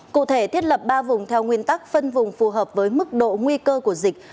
cụ thể thiết lập ba vùng theo nguyên tắc phân vùng phù hợp với mức độ nguy cơ của dịch